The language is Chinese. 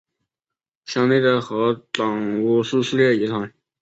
乡内的合掌屋是世界遗产。